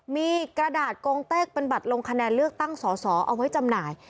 มีกระดาษโกงเต้กเป็นบัตรลงคะแนนเลือกตั้งสอสอเอาไว้จำหน่าย